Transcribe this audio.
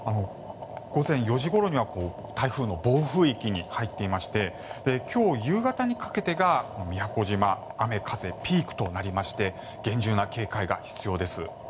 午前４時ごろには台風の暴風域に入っていまして今日夕方にかけてが宮古島雨風ピークとなりまして厳重な警戒が必要です。